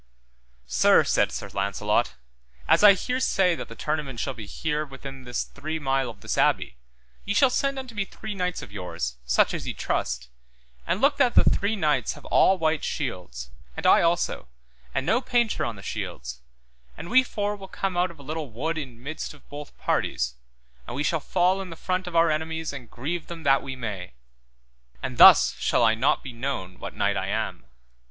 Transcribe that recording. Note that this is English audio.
Sir, said Sir Launcelot, as I hear say that the tournament shall be here within this three mile of this abbey, ye shall send unto me three knights of yours, such as ye trust, and look that the three knights have all white shields, and I also, and no painture on the shields, and we four will come out of a little wood in midst of both parties, and we shall fall in the front of our enemies and grieve them that we may; and thus shall I not be known what knight I am.